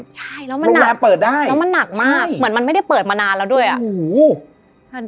ใช่แล้วมันหนักเปิดได้แล้วมันหนักมากเหมือนมันไม่ได้เปิดมานานแล้วด้วยอ่ะโอ้โห